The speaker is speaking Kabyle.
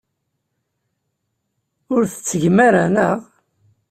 Ur t-tettgem ara, naɣ?